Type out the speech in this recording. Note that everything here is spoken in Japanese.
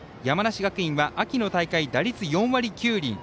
山梨学院は秋の大会打率４割９厘。